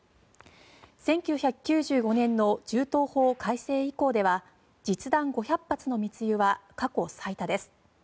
１９９５年の銃刀法改正以降では実弾５００発の密輸は過去最多です。